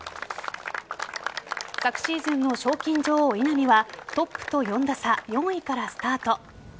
昨シーズンの賞金女王・稲見はトップと４打差４位からスタート。